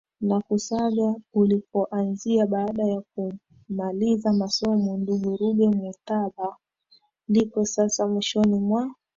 na Kusaga ulipoanzia baada ya kumaliza masomo Ndugu Ruge Mutahaba ndipo sasa Mwishoni mwa